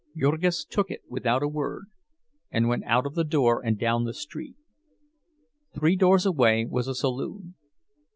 Jurgis took it without a word, and went out of the door and down the street. Three doors away was a saloon.